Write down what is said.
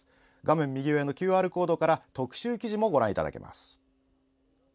右上のＱＲコードから特集記事もご覧いただけます。